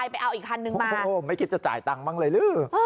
ไปเอาอีกคันนึงมาโอ้ไม่คิดจะจ่ายตังค์บ้างเลยลื้อ